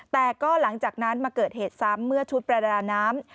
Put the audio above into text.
แต่ก็หลังจากนั้นมาเกิดเหตุซ้ำเมื่อชุดประดาน้ำ